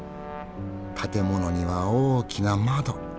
建物には大きな窓。